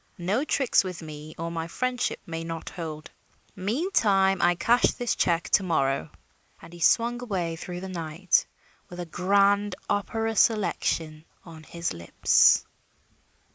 No tricks with me or my friendship may not hold. Meantime, I cash this check to morrow." And he swung away through the night with a grand opera selection on his lips.